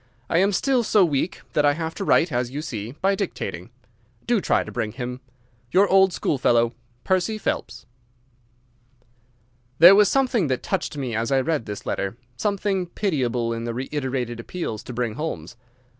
I am still so weak that I have to write, as you see, by dictating. Do try to bring him. Your old schoolfellow, Percy Phelps. There was something that touched me as I read this letter, something pitiable in the reiterated appeals to bring Holmes.